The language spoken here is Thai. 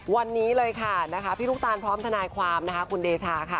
วันนี้เลยค่ะนะคะพี่ลูกตาลพร้อมทนายความนะคะคุณเดชาค่ะ